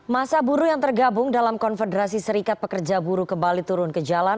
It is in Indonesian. masa buruh yang tergabung dalam konfederasi serikat pekerja buruh kembali turun ke jalan